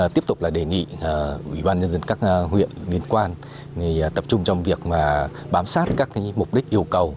tiếp tục là đề nghị ubnd các huyện liên quan tập trung trong việc bám sát các mục đích yêu cầu